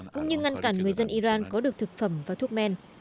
cũng như ngăn cản người dân iran có được thực phẩm và thuốc men